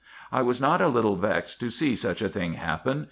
I was not a little vexed to see such a thing happen.